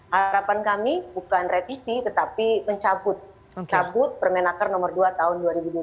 harapan kami bukan revisi tetapi mencabut permenaker nomor dua tahun dua ribu dua puluh